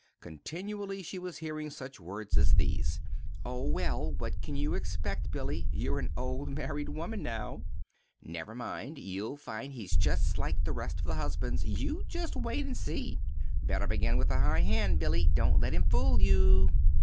Continually she was hearing such words as these: "Oh, well, what can you expect, Billy? You're an old married woman, now." "Never mind, you'll find he's like all the rest of the husbands. You just wait and see!" "Better begin with a high hand, Billy. Don't let him fool you!"